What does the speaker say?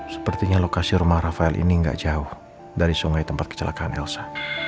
sepertinya lokasi rumah rafael ini gak jauh dari sungai tempat kecelakaan elsa